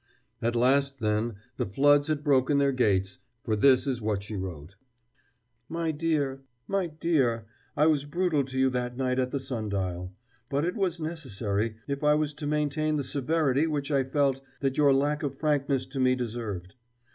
At last, then, the floods had broken their gates, for this is what she wrote: My dear, my dear, I was brutal to you that night at the sun dial. But it was necessary, if I was to maintain the severity which I felt that your lack of frankness to me deserved.